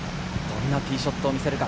どんなティーショットを見せるか。